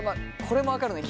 これも分かるね